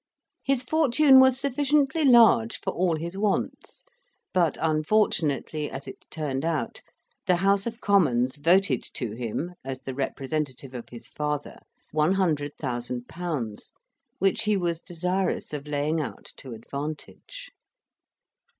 His fortune was sufficiently large for all his wants; but, unfortunately, as it turned out, the House of Commons voted to him, as the representative of his father, 100,000£., which he was desirous of laying out to advantage.